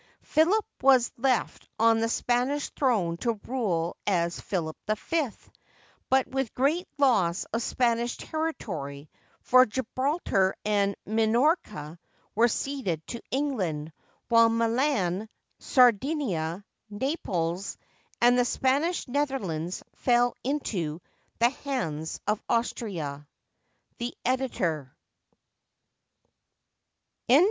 Philip was left on the Spanish throne to rule as Philip V; but with great loss of Spanish territory, for Gibral tar and Minorca were ceded to England; while Milan, Sar dinia, Naples, and the Spanish Netherlands fell into the hands of Austria. The Editor.